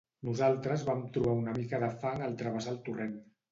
Nosaltres vam trobar una mica de fang al travessar el torrent.